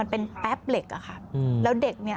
มันเป็นแป๊บเหล็กแล้วเด็กเนี่ย